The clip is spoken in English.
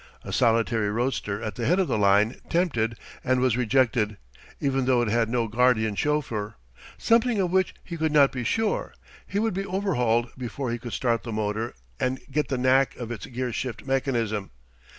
A solitary roadster at the head of the line tempted and was rejected; even though it had no guardian chauffeur, something of which he could not be sure, he would be overhauled before he could start the motor and get the knack of its gear shift mechanism.